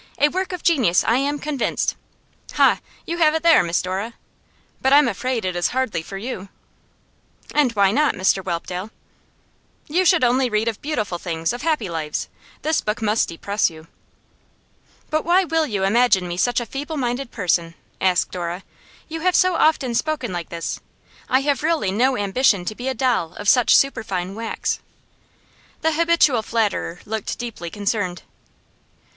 A work of genius, I am convinced. Ha! you have it there, Miss Dora. But I'm afraid it is hardly for you.' 'And why not, Mr Whelpdale?' 'You should only read of beautiful things, of happy lives. This book must depress you.' 'But why will you imagine me such a feeble minded person?' asked Dora. 'You have so often spoken like this. I have really no ambition to be a doll of such superfine wax.' The habitual flatterer looked deeply concerned.